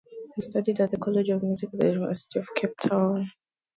He studied at the College of Music at the University of Cape Town.